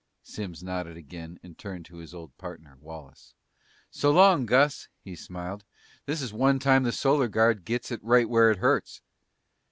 Simms nodded again and turned to his old partner, Wallace. "So long, Gus." He smiled. "This is one time the Solar Guard gets it right where it hurts!"